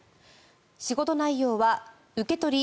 仕事内容は受け取り